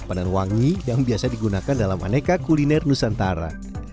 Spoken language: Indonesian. pandan wangi yang biasa digunakan dalam aneka kuliner nusantara